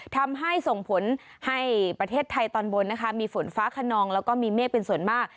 ทำให้ส่งผลให้ประเทศไทยตอนบนนะคะมีฝนฟ้าขนองแล้วก็มีเมฆเป็นส่วนมาก